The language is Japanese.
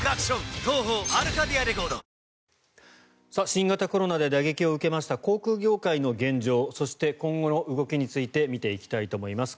新型コロナで打撃を受けました航空業界の現状そして今後の動きについて見ていきたいと思います。